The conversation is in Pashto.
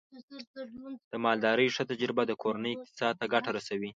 د مالدارۍ ښه تجربه د کورنۍ اقتصاد ته ګټه رسوي.